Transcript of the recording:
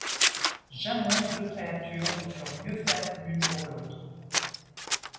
Jamais deux créatures ne furent mieux faites l’une pour l’autre.